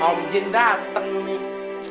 om jin dateng nih